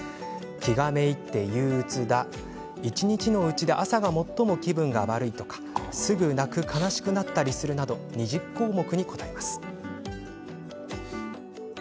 気がめいって憂うつだ一日のうちで朝が最も気分が悪いすぐ泣く悲しくなったりするなど２０項目に答えます。